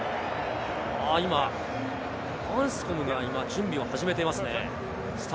今、アンスコムが準備を始めていますね。